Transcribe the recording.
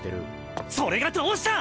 それがどうした！